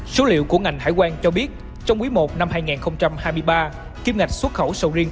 số liệu của ngành hải quan cho biết trong quý i năm hai nghìn hai mươi ba kim ngạch xuất khẩu sầu riêng